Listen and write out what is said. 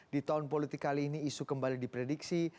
di tahun politik kali ini isu kembali diprediksi